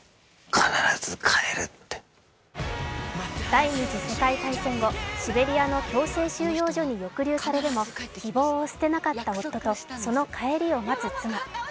第二次世界大戦後、シベリアの強制収容所に抑留されるも希望を捨てなかった夫とその帰りを待つ妻。